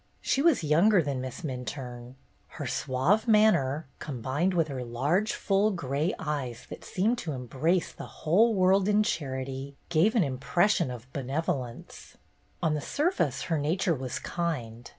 She was younger than Miss Minturne. Her suave manner, combined with her large, full gray eyes that seemed to embrace the whole world in charity, gave an impression of benevo lence. On the surface her nature was kind.